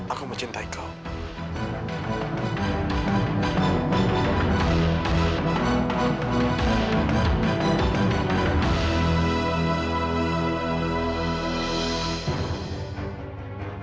aku mencintai ap obeyang